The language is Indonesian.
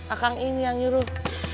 akang ini yang nyuruh